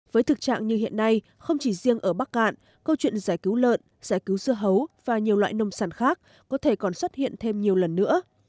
với thực trạng như hiện nay không chỉ riêng ở bắc cạn câu chuyện giải cứu lợn giải cứu dưa hấu và nhiều loại nông sản khác có thể còn xuất hiện thêm nhiều lần nữa